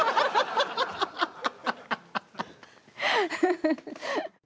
フフフ。